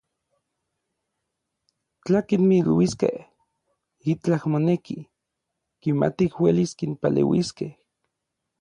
Tla kinmiluiskej itlaj moneki, kimatij uelis kinpaleuiskej.